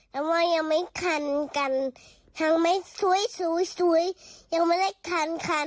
แต่ว่ายังไม่คันกันทั้งไม่สวยสวยยังไม่ได้คันคัน